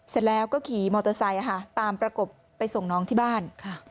เสร็จแล้วก็ขี่มอเตอร์ไซค์ตามประกบไปส่งน้องที่บ้าน